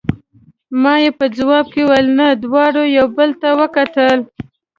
ما یې په ځواب کې وویل: نه، دواړو یو بل ته وکتل.